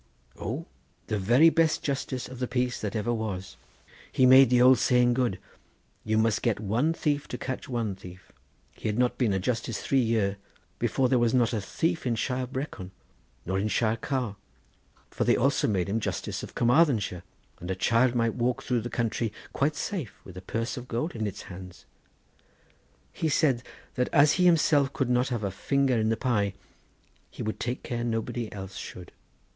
"Ow, the very best justice of the peace that there ever was. He made the old saying good: you must set one thief to catch one thief. He had not been a justice three year before there was not a thief in Shire Brecon nor in Shire Car, for they also made him justice of Carmarthenshire, and a child might walk through the country quite safe with a purse of gold in its hand. He said that as he himself could not have a finger in the pie, he would take care nobody else should.